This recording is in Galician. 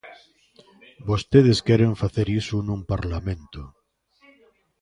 Vostedes queren facer iso nun parlamento.